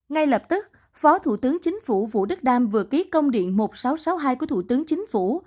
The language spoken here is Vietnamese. ngay lập tức phó thủ tướng chính phủ vũ đức đam vừa ký công điện một nghìn sáu trăm sáu mươi hai của thủ tướng chính phủ